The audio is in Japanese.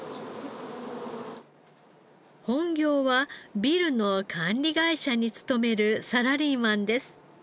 本業はビルの管理会社に勤めるサラリーマンです。